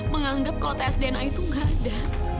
menganggap kalau tes dna itu nggak ada